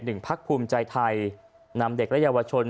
พักภูมิใจไทยนำเด็กและเยาวชน